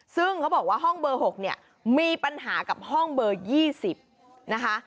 ซึ่งเขาบอกว่าห้องเบอร์๖เนี่ยมีปัญหากับห้องเบอร์๒๐นะคะ